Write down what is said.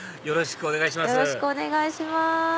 よろしくお願いします。